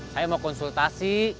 saya mau konsultasi